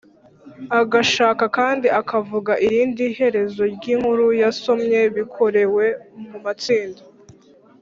agashaka kandi akavuga irindi herezo ry’inkuru yasomwe bikorewe mu matsinda;